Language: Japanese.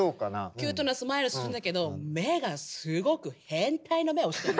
キュートなスマイルするんだけど目がすごく変態な目をしてる。